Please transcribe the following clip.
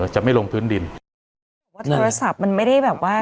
จะไม่ลงพื้นดินแต่ว่าโทรศัพท์มันไม่ได้แบบว่า